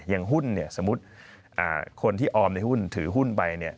หุ้นเนี่ยสมมุติคนที่ออมในหุ้นถือหุ้นไป